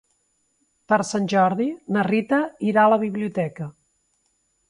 Per Sant Jordi na Rita irà a la biblioteca.